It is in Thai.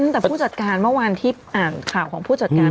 แต่ผู้จัดการเมื่อวานที่อ่านข่าวของผู้จัดการ